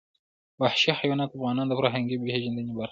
وحشي حیوانات د افغانانو د فرهنګي پیژندنې برخه ده.